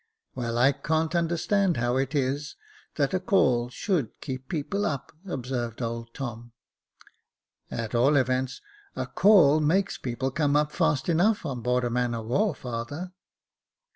*' Well, I can't understand how it is, that a caul should keep people up," observed old Tom, At all events, a call makes people come up fast enough on board a man of war, father."